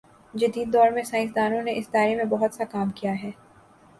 جدیددور میں سائنس دانوں نے اس دائرے میں بہت سا کام کیا ہے